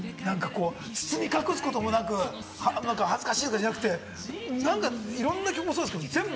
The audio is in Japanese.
包み隠すこともなく、恥ずかしいとかじゃなくて、いろんな曲、そうですけれども、全部。